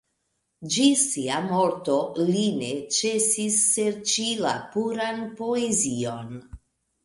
Ĝis sia morto li ne ĉesis serĉi la puran poezion.